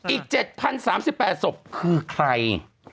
อีก๗๐๓๘ศพคือใคร